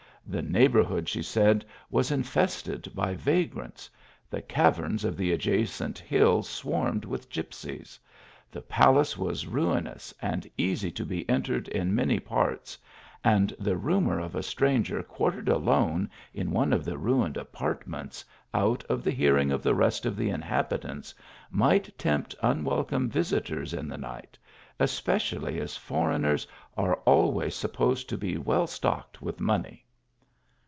The neighbourhood, she said, was infested by vagrants ; the caverns of the adjacent hills swarmed with gipsies ; the palace was ruinous and easy to be entered in many parts ; and the rumour of a stranger quartered alone in one of the ruined apartments, out of the hearing of the rest of the inhabitants, might tempt unwelcome visitors in the night, especially as foreigners are always sup posed to be well stocked with money.